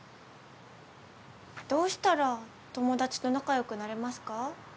・どうしたら友達と仲よくなれますか？